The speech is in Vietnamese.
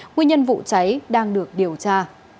nguyên nhân vụ cháy đang được điều tra